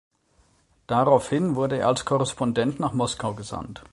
Daraufhin wurde er als Korrespondent nach Moskau gesandt.